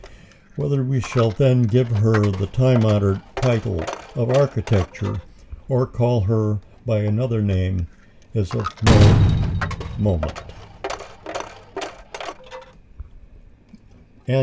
Whether we shall then give her the time honoured title of architecture, or call her by another name, is of no moment.